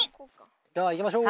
では行きましょう！